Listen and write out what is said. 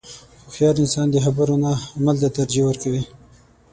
• هوښیار انسان د خبرو نه عمل ته ترجیح ورکوي.